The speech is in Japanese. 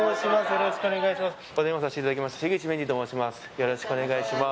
よろしくお願いします